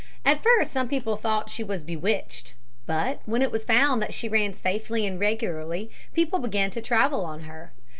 At first some people thought that she was bewitched. But when it was found that she ran safely and regularly, people began to travel on her.